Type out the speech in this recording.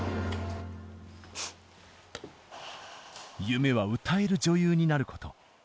夢は歌える女優になる事。